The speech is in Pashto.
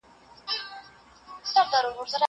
زه پرون مځکي ته وکتل!!